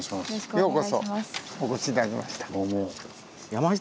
ようこそお越し頂きました。